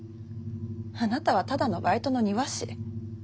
あなたはただのバイトの庭師。